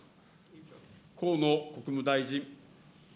河野国務大臣。